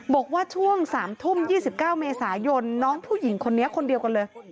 บอกว่าช่วง๓ทุ่ม๒๙เมษายนน้องผู้หญิงคนนี้คนเดียวกันเลย